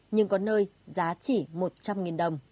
nhưng có nơi giá chỉ một trăm linh đồng